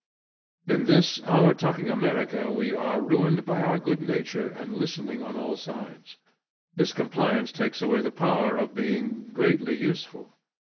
In this our talking America we are ruined by our good nature and listening on all sides. This compliance takes away the power of being greatly useful.